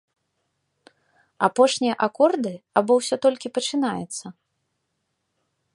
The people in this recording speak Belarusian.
Апошнія акорды або ўсё толькі пачынаецца?